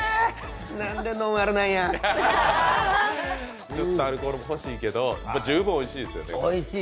なんで、ノンアルなんやアルコールも欲しいけど十分おいしいですよね。